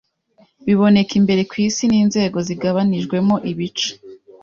biboneka imbere kwisi ninzego zigabanijwemo ibice